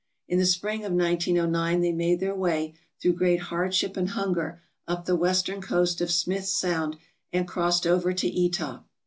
In the spring of 1909 they made their way, through great hardship and hunger, up the western coast of Smith Sound, and crossed over to Etah.